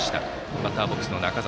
バッターボックスの中澤。